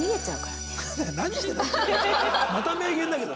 また名言だけど。